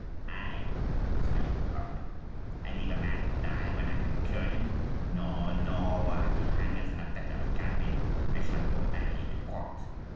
"I!" exclaimed Pare. "I leave a man to die when I can cure him? No, no! were I to hang as an abettor of Calvin I shall go early to court.